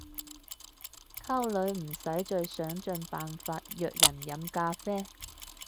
溝女唔使再想盡辦法約人飲咖啡